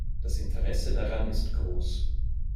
Das Interesse daran ist groß.